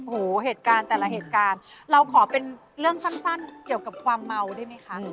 โอ้โหเหตุการณ์แต่ละเหตุการณ์เราขอเป็นเรื่องสั้นเกี่ยวกับความเมาได้ไหมคะ